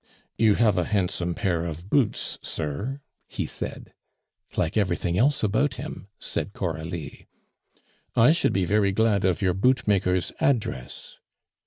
"You have a handsome pair of boots, sir," he said. "Like everything else about him," said Coralie. "I should be very glad of your bootmaker's address."